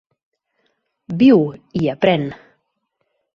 Viu i aprèn.